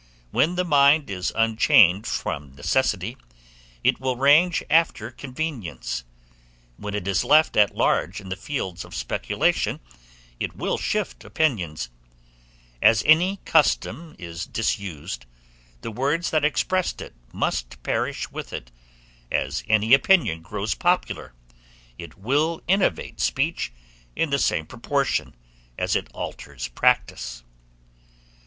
When the mind is unchained from necessity, it will range after convenience; when it is left at large in the fields of speculation, it will shift opinions; as any custom is disused, the words that expressed it must perish with it; as any opinion grows popular, it will innovate speech in the same proportion as it alters practice.